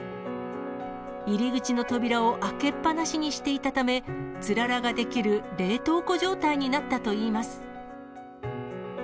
入り口の扉を開けっ放しにしていたため、つららが出来る冷凍庫状態になったといいます。